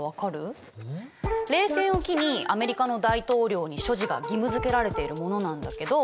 冷戦を機にアメリカの大統領に所持が義務づけられているものなんだけど。